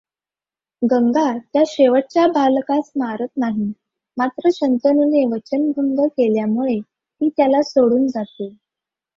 गंगा त्या शेवटच्या बालकास मारत नाही मात्र शंतनूने वचनभंग केल्यामुळे ती त्याला सोडून जाते.